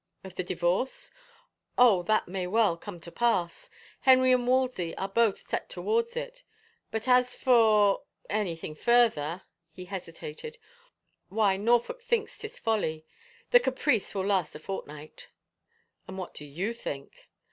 " Of the divorce ? Oh, that may well come to pass — Henry and Wolsey are both set towards it. ... But as for — anything further —" he hesitated, " why, Nor folk thinks 'tis folly. The caprice will last a fortnight." ," And what do you think?